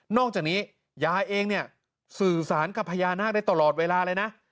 อกจากนี้ยายเองเนี่ยสื่อสารกับพญานาคได้ตลอดเวลาเลยนะ